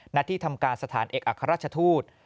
ณที่ทำการสถานเอกอัครราชทูต